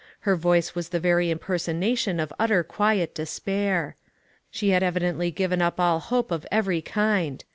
Her voice was the very impersonation of utter quiet despair. She had evidently given up all hope of every kind.